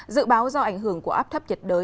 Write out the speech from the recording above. dự báo do ảnh hưởng của áp thấp nhiệt đới